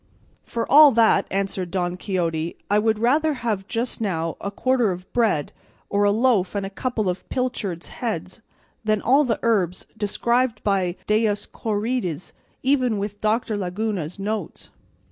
"For all that," answered Don Quixote, "I would rather have just now a quarter of bread, or a loaf and a couple of pilchards' heads, than all the herbs described by Dioscorides, even with Doctor Laguna's notes.